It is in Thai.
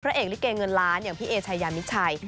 พระเอกลิเกณฑ์เงินล้านอย่างพี่เอ๋ชัยยามิชัย